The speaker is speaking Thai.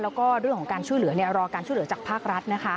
แล้วก็เรื่องของการช่วยเหลือรอการช่วยเหลือจากภาครัฐ